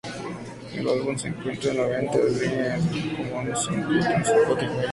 El álbum se encuentra a la venta en línea como Amazon, iTunes, Spotify.